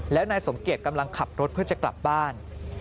แล้วนายสมเกียจกำลังขับรถเพื่อจะกลับบ้าน